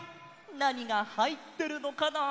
なにがはいってるのかな？